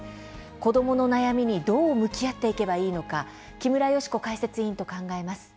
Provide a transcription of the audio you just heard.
子どもの悩みにどう向き合っていけばいいのか木村祥子解説委員と考えます。